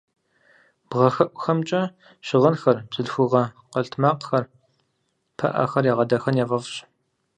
Бгъэхэӏухэмкӏэ щыгъынхэр, бзылъхугъэ къэлътмакъхэр, пыӏэхэр ягъэдахэн яфӏэфӏщ.